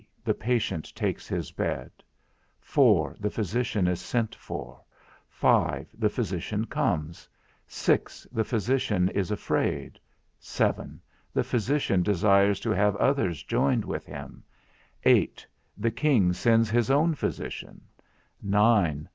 The patient takes his bed 17 4. The physician is sent for 23 5. The physician comes 30 6. The physician is afraid 35 7. The physician desires to have others joined with him 43 8. The king sends his own physician 50 9.